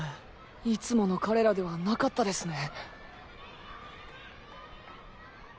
いつもの彼らではなかったですね。